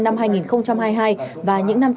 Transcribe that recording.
năm hai nghìn hai mươi hai và những năm tiếp theo